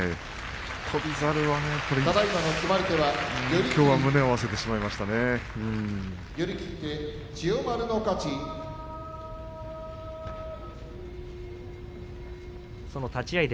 翔猿は、きょうは胸を合わせてしまいましたね。